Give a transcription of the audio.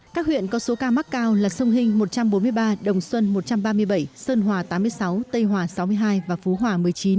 các huyện có số ca mắc cao là sông hinh một trăm bốn mươi ba đồng xuân một trăm ba mươi bảy sơn hòa tám mươi sáu tây hòa sáu mươi hai và phú hòa một mươi chín